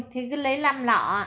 thì cứ lấy làm lọ